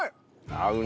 合うね。